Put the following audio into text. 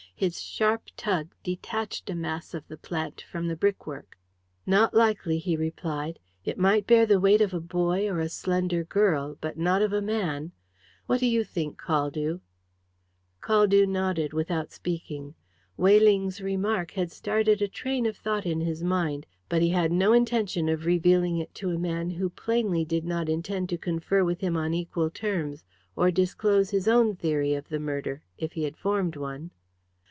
His sharp tug detached a mass of the plant from the brickwork. "Not likely," he replied. "It might bear the weight of a boy or a slender girl, but not of a man. What do you think, Caldew?" Caldew nodded without speaking. Weyling's remark had started a train of thought in his mind, but he had no intention of revealing it to a man who plainly did not intend to confer with him on equal terms, or disclose his own theory of the murder if he had formed one.